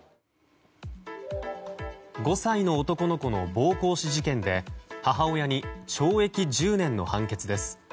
５歳の男の子の暴行死事件で母親に懲役１０年の判決です。